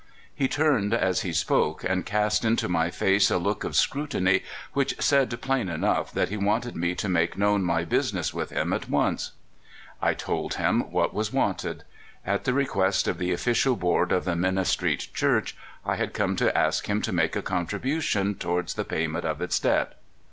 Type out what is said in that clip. He turned as he spoke, and cast into my face a look of scrutiny which said plain enough that he wanted me to make known my business with him at once. I told him what was wanted. At the request of the official board of the Minna Street Church I had come to ask him to make a contribution toward the pa3'ment of its debt.